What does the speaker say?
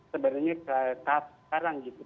sebenarnya tahap sekarang gitu